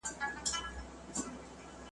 ته به سیوری د رقیب وهې په توره `